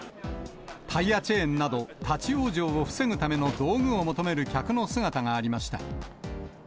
タイヤチェーンなど、立往生を防ぐための道具を求める客の姿がありました。